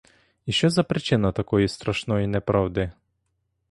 І що за причина такої страшної неправди?